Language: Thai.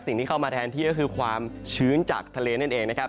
สิ่งที่เข้ามาแทนที่ก็คือความชื้นจากทะเลนั่นเองนะครับ